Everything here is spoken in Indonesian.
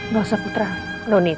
gak usah putra no need